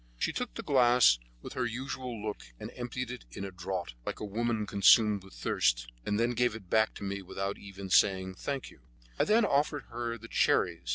She took the glass with her usual look, and emptied it at a draught, like a woman consumed with thirst, and then gave it back to me without even saying "Thank you." I then offered her the cherries.